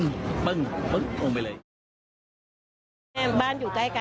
เมื่อเมื่อ